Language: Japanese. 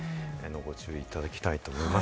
ご注意いただきたいと思います。